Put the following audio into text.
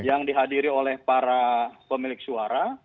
yang dihadiri oleh para pemilik suara